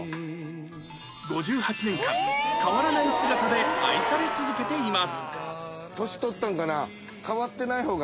５８年間変わらない姿で愛され続けています